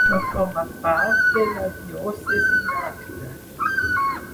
Va formar part de la diòcesi d'Agde.